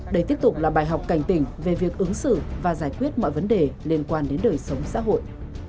đây tiếp tục là bài học cảnh tỉnh về việc ứng xử và giải quyết mọi vấn đề liên quan đến đời sống xã hội